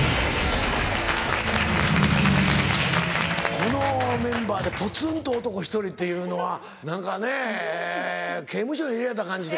このメンバーでぽつんと男１人っていうのは何かね刑務所に入れられた感じで。